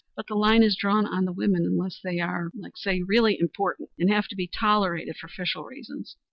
But the line is drawn on the women unless they are er really important and have to be tolerated for official reasons.